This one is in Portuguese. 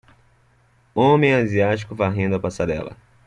Homem asiático varrendo a passarela.